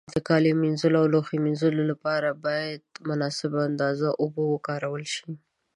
د کالي مینځلو او لوښو مینځلو له پاره باید مناسبه اندازه اوبو وکارول شي.